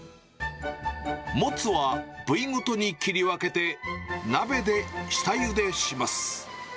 モツは部位ごとに切り分けて鍋で下ゆでします。